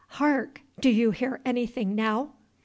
Hark! do you hear anything now?"